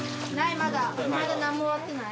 まだまだなんも終わってない。